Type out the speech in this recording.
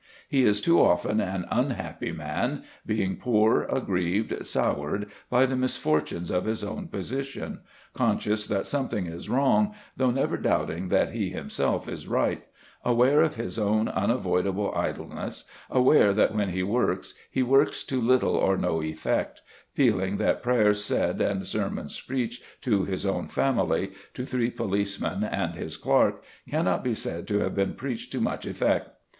He is too often an unhappy man, being poor, aggrieved, soured by the misfortunes of his own position, conscious that something is wrong, though never doubting that he himself is right, aware of his own unavoidable idleness, aware that when he works he works to little or no effect, feeling that prayers said and sermons preached to his own family, to three policemen and his clerk, cannot be said to have been preached to much effect.